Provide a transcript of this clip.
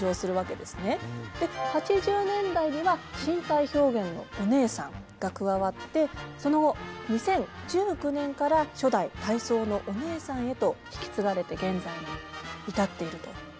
で８０年代には身体表現のお姉さんが加わってその後２０１９年から初代体操のお姉さんへと引き継がれて現在まで至っているということなんですが。